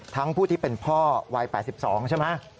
ผู้ที่เป็นพ่อวัย๘๒ใช่ไหม